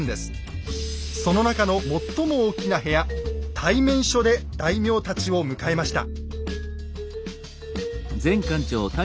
その中の最も大きな部屋「対面所」で大名たちを迎えました。